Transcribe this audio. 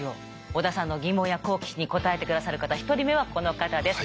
織田さんの疑問や好奇心にこたえて下さる方１人目はこの方です。